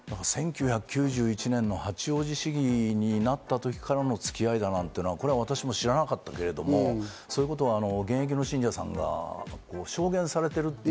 １９９１年の八王子市議になった時からの付き合いだなんていうのは、これは私も知らなかったけれども、そういうことは現役の信者さんが証言されている。